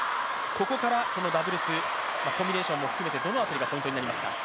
ここから、このダブルス、コンビネーションも含めて、どの辺りがポイントになりますか？